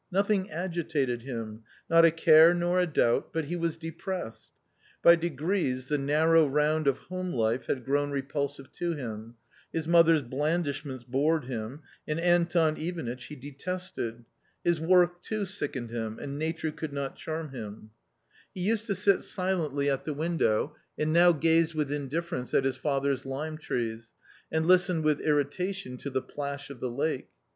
Nothing agitated him; not a care nor a doubt, but he was depressed ! By degrees the narrow round of home life had grown repulsive to him ; his mother's blandishments bored him ; and Anton Ivanitch he detested ; his work too sickened him, and Nature could not charm him. 260 A COMMON STORY He used to sit silently at the window, and now gazed with indifference at his father's lime trees, and listened with irritation to the plash of the lake.